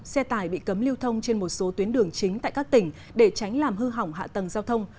xe tải bị cấm lưu thông trên một số tuyến đường chính tại các tỉnh để tránh làm hư hỏng hạ tầng giao thông